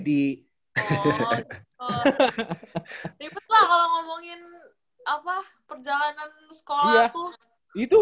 ribet lah kalau ngomongin perjalanan sekolah tuh